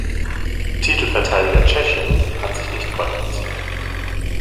Titelverteidiger Tschechien hat sich nicht qualifiziert.